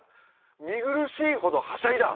見苦しいほどはしゃいだ。